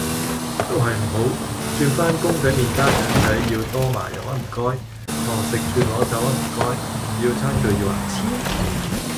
都係唔好，轉返公仔麵加腸仔要多麻油呀唔該，堂食轉攞走呀唔該，唔要餐具要牙籤